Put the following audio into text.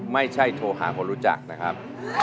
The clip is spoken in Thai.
ไม่ใช่โทรหาคนรู้จักนะครับ